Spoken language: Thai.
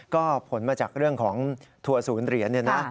ก็ผลมาจากเรื่องของทัวร์ศูนย์เหรียญเนี่ยนะ